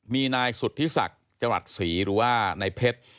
มีนายสุธิศักดิ์จรัสศรีหรือว่านายเพชร